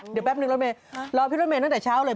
เดี๋ยวแป๊บนึงรถเมย์รอพี่รถเมย์ตั้งแต่เช้าเลย